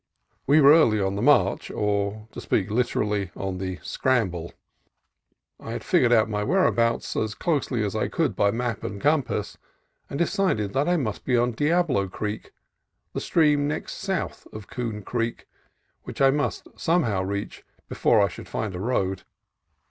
We were early on the march, or, to speak literally, on the scramble. I had figured out my whereabouts as closely as I could by map and compass, and de cided that I must be on Diablo Creek, the stream next south of Coon Creek, which I must somehow reach before I should find a road.